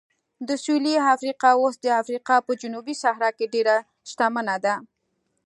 سویلي افریقا اوس د افریقا په جنوبي صحرا کې ډېره شتمنه ده.